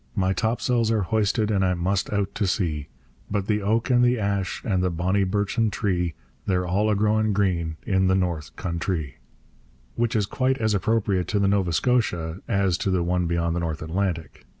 My topsails are hoisted and I must out to sea; But the oak and the ash and the bonnie birchen tree, They're all a growin' green in the North Countree. which is quite as appropriate to the Nova Scotia as to the one beyond the North Atlantic.